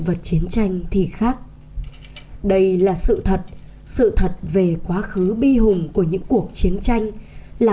vật chiến tranh thì khác đây là sự thật sự thật về quá khứ bi hùng của những cuộc chiến tranh là